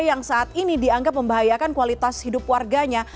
yang saat ini dianggap membahayakan kualitas hidup warganya